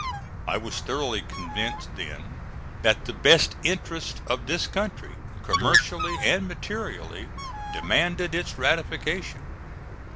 I was thoroughly convinced then that the best interests of this country, commercially and materially, demanded its ratification.